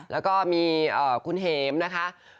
แล้วก็มีคุณเห็มนะคะ